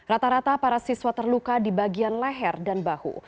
rata rata para siswa terluka di bagian leher dan bahu